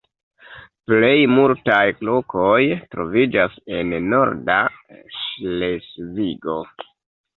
Plej multaj lokoj troviĝas en norda Ŝlesvigo.